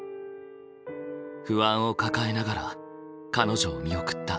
不安を抱えながら彼女を見送った。